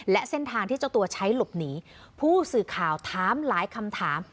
และเส้นทางที่เจ้าตัวใช้หลบหนีผู้สื่อข่าวถามหลายคำถาม